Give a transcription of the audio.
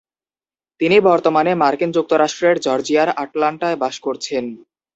তিনি বর্তমানে মার্কিন যুক্তরাষ্ট্রের জর্জিয়ার আটলান্টায় বাস করছেন।